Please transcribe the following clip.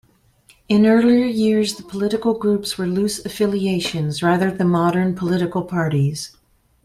In earlier years, the political groups were loose affiliations rather than modern political parties.